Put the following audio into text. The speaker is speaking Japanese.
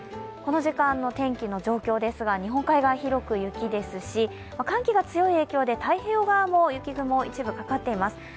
この時間の天気の状況ですが、日本海側は広く雪ですし寒気が強い影響で太平洋側も雪雲が一部かかっています。